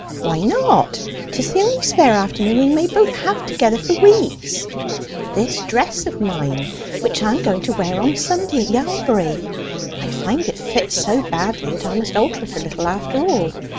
"Why not? 'Tis the only spare afternoon we may both have together for weeks." "This dress of mine, that I am going to wear on Sunday at Yalbury; I find it fits so badly that I must alter it a little, after all.